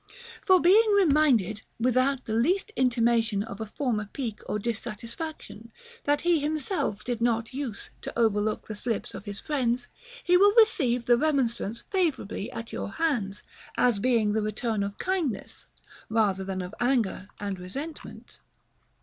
For being reminded, without the least intimation of a former pique or dissatisfaction, that he him self did not use to overlook the slips of his friend, he will receive the remonstrance favorably at your hands, ns being the return of kindness rather than of anger and resentment.